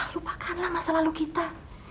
lupakanlah masa lalu kita